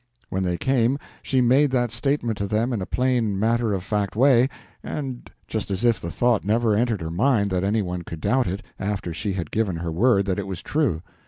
When they came she made that statement to them in a plain matter of fact way, and just as if the thought never entered her mind that any one could doubt it after she had given her word that it was true.